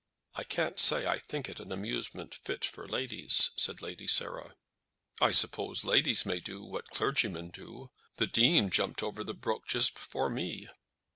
"I can't say I think it an amusement fit for ladies," said Lady Sarah. "I suppose ladies may do what clergymen do. The Dean jumped over the brook just before me."